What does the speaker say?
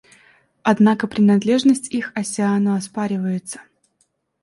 Однако принадлежность их Оссиану оспаривается.